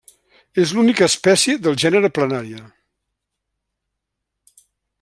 És l'única espècie del gènere Planaria.